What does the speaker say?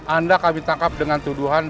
anda kami tangkap dengan tuduhan